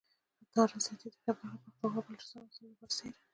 نا رضایتي د خیبر پښتونخواه، بلوچستان او سند نه بر سیره